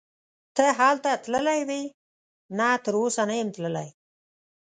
ته هلته تللی وې؟ نه تراوسه نه یم تللی.